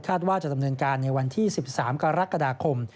ว่าจะดำเนินการในวันที่๑๓กรกฎาคม